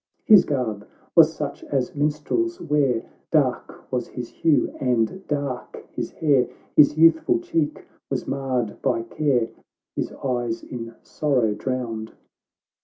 His garb was such as minstrels wear, Dark was his hue, and dark his hair, His youthful cheek was marred by care, His eyes in sorrow drowned.